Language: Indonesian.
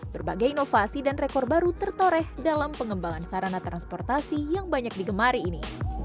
berbagai inovasi dan rekor baru tertoreh dalam pengembangan sarana transportasi yang banyak digemari ini